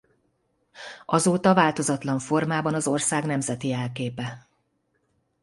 Azóta változatlan formában az ország nemzeti jelképe.